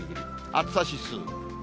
暑さ指数。